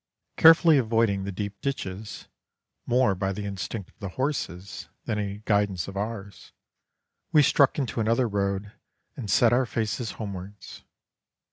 Carefully avoiding the deep ditches, more by the instinct of the horses than any guidance of ours, we struck into another road and set our faces homewards.